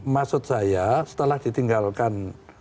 maksud saya setelah ditinggalkan